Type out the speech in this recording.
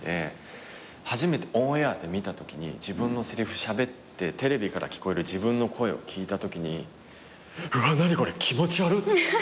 初めてオンエアで見たときに自分のせりふしゃべってテレビから聞こえる自分の声を聞いたときに「うわ何これ気持ち悪っ」って思っちゃったの。